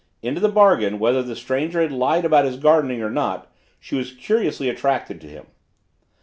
Into the bargain, whether this stranger had lied about his gardening or not, she was curiously attracted to him.